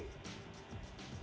jatuh dari tangan